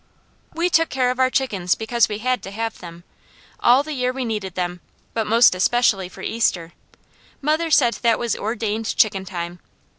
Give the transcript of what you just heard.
We took care of our chickens because we had to have them. All the year we needed them, but most especially for Easter. Mother said that was ordained chicken time.